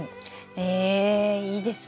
えいいですね。